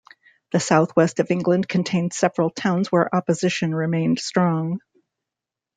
The South West of England contained several towns where opposition remained strong.